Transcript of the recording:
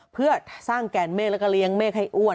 เพื่อสร้างแกนเมฆแล้วก็เลี้ยงเมฆให้อ้วน